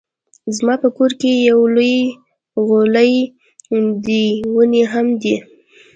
زما په کور کې يو لوی غولی دی ونې هم دي